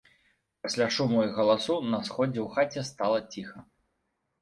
Пасля шуму і галасу на сходзе ў хаце стала ціха.